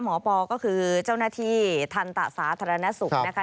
ปอก็คือเจ้าหน้าที่ทันตะสาธารณสุขนะคะ